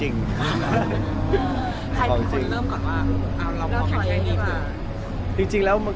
อ๋อน้องมีหลายคน